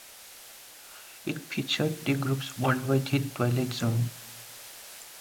It featured the group's worldwide hit "Twilight Zone".